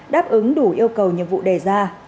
đáp ứng đủ yêu cầu nhiệm vụ đề ra